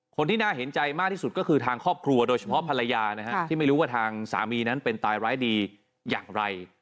คนที่น่าเห็นใจมากที่สุดก็คือทางครอบครัวโดยเฉพาะภรรยานะฮะที่ไม่รู้ว่าทางสามีนั้นเป็นตายร้ายดีอย่างไร